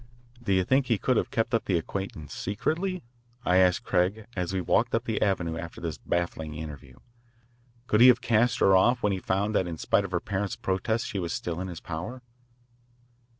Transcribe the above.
"Do you think he could have kept up the acquaintance secretly?" I asked Craig as we walked up the avenue after this baffling interview. "Could he have cast her off when he found that in spite of her parents' protests she was still in his power?"